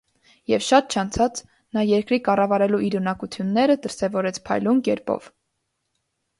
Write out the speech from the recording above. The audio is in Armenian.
Եվ շատ չանցած նա երկրի կառավարելու իր ունակությունները դրսևորեց փայլուն կերպով։